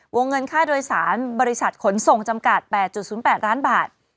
วงเงินค่าโดยสารบริษัทขนส่งจำกัด๘๐๘ล้านบาท